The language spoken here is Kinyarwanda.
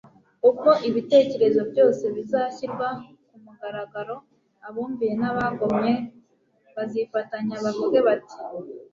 Ubwo ibitekerezo byose bizashyirwa ku mugaragaro, abumviye n'abagomye bazifatanya bavuge bati